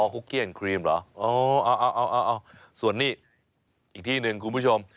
อ๋อคุกกี้เอ็นด์ครีมเหรออ๋อส่วนนี่อีกที่หนึ่งคุณผู้ชม